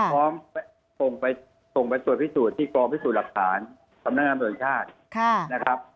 พร้อมส่งไปตรวจพิสูจน์ที่กรองพิสูจน์หลักฐานทำด้านงานประโยชน์ชาติ